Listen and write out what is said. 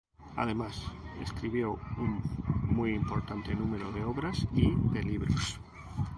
Además, escribió un muy importante número de obras y de libros.